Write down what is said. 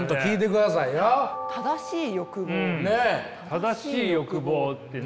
「正しい欲望」ってね。